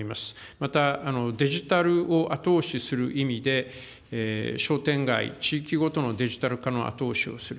またデジタルを後押しする意味で、商店街、地域ごとのデジタル化の後押しをする。